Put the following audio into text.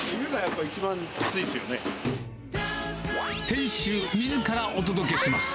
店主みずからお届けします。